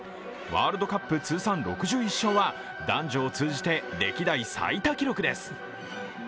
ワールドカップ通算６１勝は男女を通じて歴代最多記録です。